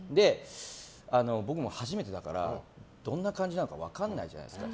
僕も初めてだからどんな感じなのか分からないじゃないですか。